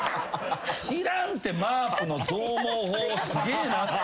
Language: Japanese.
知らんってマープの増毛法すげえな。